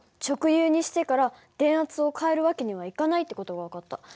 直流にしてから電圧を変える訳にはいかないって事が分かった。